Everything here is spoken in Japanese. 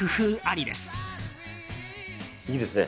いいですね。